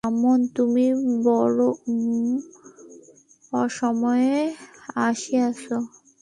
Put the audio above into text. ব্রাহ্মণ, তুমি বড়ো অসময়ে আসিয়াছ।